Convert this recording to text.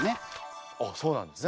あっそうなんですか。